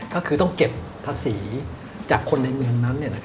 ก็คือต้องเก็บภาษีจากคนในเมืองนั้น